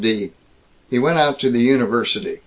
D." He went out to the university.